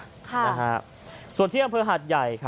ส่วนเที่ยงอย่างเผื้อหาดใหญ่